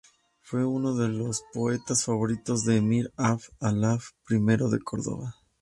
Fue uno de los poetas favoritos del emir Abd Allah I de Córdoba.